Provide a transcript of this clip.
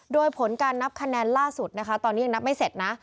โดยผลการนับคะแนนล่าสุดนะคะตอนนี้ยังนับไม่เสร็จนะ